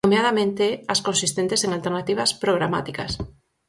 Nomeadamente as consistentes en alternativas programáticas.